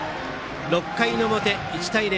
６回の表、１対０。